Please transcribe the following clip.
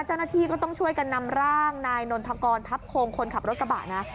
เจ้าหน้าที่ก็ต้องช่วยกันนำร่างนายนนทกรทัพโคงคนขับรถกระบะนะ